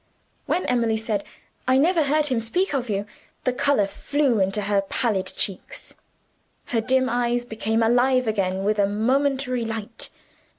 When Emily said, "I never heard him speak of you," the color flew into her pallid cheeks: her dim eyes became alive again with a momentary light.